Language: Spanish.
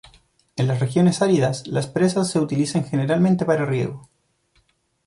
En las regiones áridas, las presas se utilizan generalmente para riego.